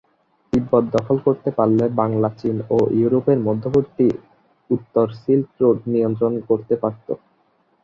তিব্বত দখল করতে পারলে বাংলা চীন ও ইউরোপের মধ্যবর্তী উত্তর সিল্ক রোড নিয়ন্ত্রণ করতে পারত।